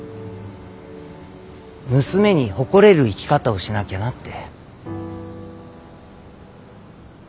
娘に誇れる生き方をしなきゃなって。